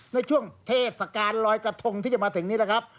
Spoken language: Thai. ในช่วงเทศกาลลอยกระทงที่จะมาถึงนี้นะครับ